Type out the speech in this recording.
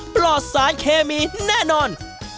ปลอดสารเคมีแน่นอน